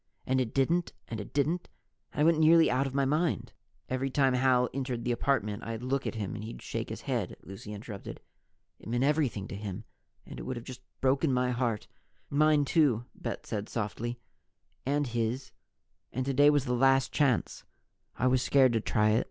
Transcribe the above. And it didn't, and it didn't and I went nearly out of my mind " "Every time Hal entered the apartment, I'd look at him and he'd shake his head," Lucy interrupted. "It meant everything to him. And it would just have broken my heart " "Mine, too," Bet said softly. "And his. And today was the last chance. I was scared to try it.